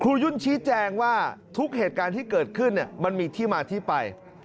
ยุ่นชี้แจงว่าทุกเหตุการณ์ที่เกิดขึ้นมันมีที่มาที่ไป